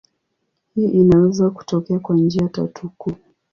Hii inaweza kutokea kwa njia tatu kuu.